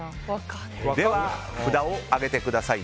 では札を上げてください。